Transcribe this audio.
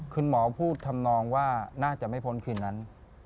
คุณหมอพูดทำนองว่าน่าจะไม่พ้นคืนนั้น